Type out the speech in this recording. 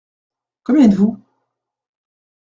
Combien êtes-vous ?